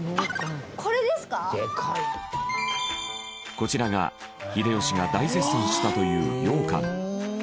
こちらが秀吉が大絶賛したという羊羹。